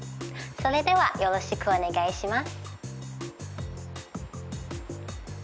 それではよろしくお願いします。